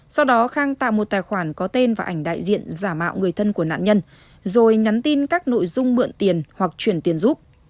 sau đó khang tạo một tài khoản có tên và ảnh đại diện giả mạo người thân của nạn nhân rồi nhắn tin các nội dung mượn tiền hoặc chuyển tiền giúp